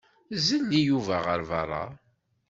Zelli Yuba ɣer beṛṛa.